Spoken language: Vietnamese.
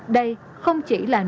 đây không chỉ là nổi tiếng